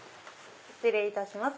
失礼いたします